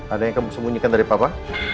ada yang kamu sembunyikan dari papa